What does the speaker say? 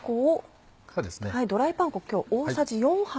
ドライパン粉今日大さじ４杯。